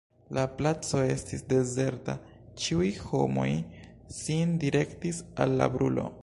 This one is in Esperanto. La placo estis dezerta: ĉiuj homoj sin direktis al la brulo.